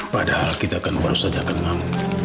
padahal kita kan baru saja kenal